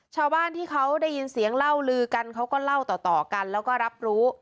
ชาวบ้านที่เขาได้ยินเสียงเล่าลือกันเขาก็เล่าต่อกันแล้วก็รับรู้